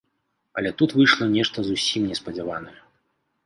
Але тут выйшла нешта зусім неспадзяванае.